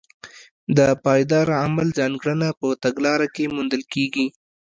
د پایداره عمل ځانګړنه په تګلاره کې موندل کېږي.